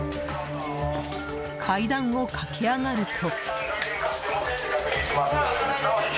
階段を駆け上がると。